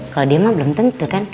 kalau dia mah belum tentu kan